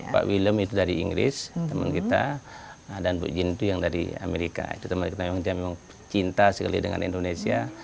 pak willem itu dari inggris teman kita dan bu jin itu yang dari amerika itu teman kita memang cinta sekali dengan indonesia